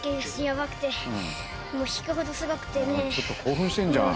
ちょっと興奮してんじゃん。